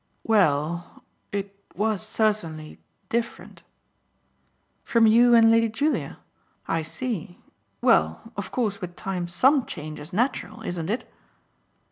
"Well it was certainly different." "From you and Lady Julia? I see. Well, of course with time SOME change is natural, isn't it?